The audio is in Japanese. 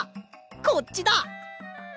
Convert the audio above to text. こっちだ！